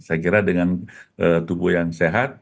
saya kira dengan tubuh yang sehat